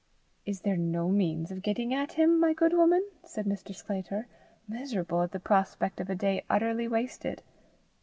"Is there no means of getting at him, my good woman?" said Mr. Sclater, miserable at the prospect of a day utterly wasted.